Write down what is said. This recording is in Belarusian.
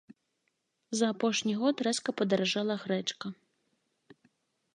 За апошні год рэзка падаражэла грэчка.